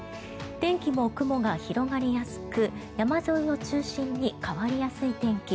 天気も雲が広がりやすく山沿いを中心に変わりやすい天気